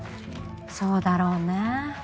そうだろうねぇ。